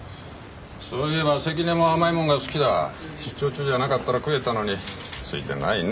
そういえば関根も甘いもんが好きだ出張中じゃなかったら食えたのについてないね